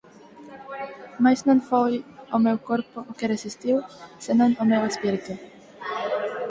Mais non foi o meu corpo o que resistiu, senón o meu espírito.